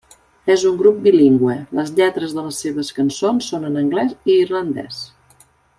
És un grup bilingüe, les lletres de les seves cançons són en anglès i irlandès.